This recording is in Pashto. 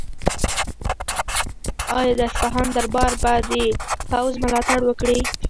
آیا د اصفهان دربار به د پوځ ملاتړ وکړي؟